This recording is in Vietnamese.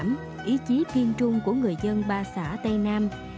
ý chí kiên trung của người dân ba xã tây nam